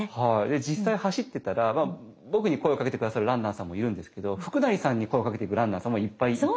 実際走ってたら僕に声をかけて下さるランナーさんもいるんですけど福成さんに声をかけていくランナーさんもいっぱいいて。